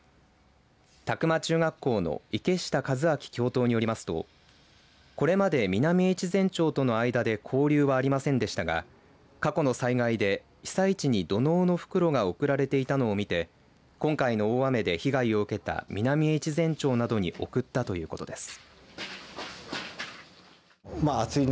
詫間中学校の池下一顕教頭によりますとこれまで南越前町との間で交流はありませんでしたが過去の災害で被災地に土のうの袋が送られていたのを見て今回の大雨で被害を受けた南越前町などに送ったということです。